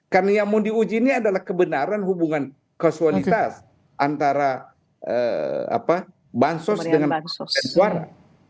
karena yang mau diuji ini adalah kebenaran hubungan kosualitas antara bansos dengan suara